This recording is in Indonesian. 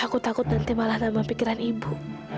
aku takut nanti malah tambah pikiran ibu